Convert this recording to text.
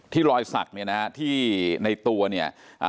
ที่ลอยศักดิ์เนี่ยนะฮะที่ในตัวเนี่ยอ่า